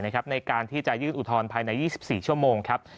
ในการที่จะยื่นอุทธรณ์ภายใน๒๔ชั่วโมงครับ